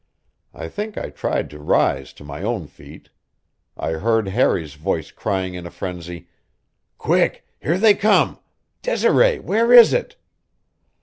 I think I tried to rise to my own feet. I heard Harry's voice crying in a frenzy: "Quick here they come! Desiree, where is it?"